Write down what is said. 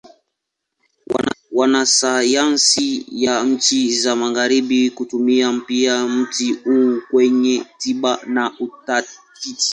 Wanasayansi wa nchi za Magharibi hutumia pia mti huu kwenye tiba na utafiti.